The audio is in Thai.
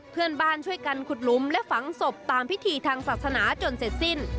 เพื่อนบ้านช่วยกันขุดหลุมและฝังศพตามพิธีทางศาสนาจนเสร็จสิ้น